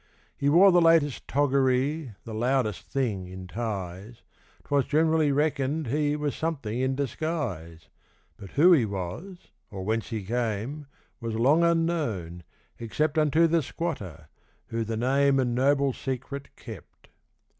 He wore the latest toggery, The loudest thing in ties 'Twas generally reckoned he Was something in disguise. But who he was, or whence he came, Was long unknown, except Unto the squatter, who the name And noble secret kept.